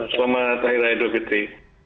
selamat hari raya idul fitri